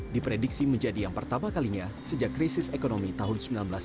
diprediksi menjadi yang pertama kalinya sejak krisis ekonomi tahun seribu sembilan ratus sembilan puluh